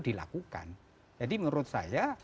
dilakukan jadi menurut saya